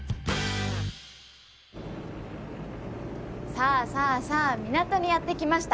さあさあさあ港にやって来ました。